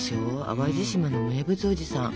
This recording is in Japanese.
淡路島の名物おじさん。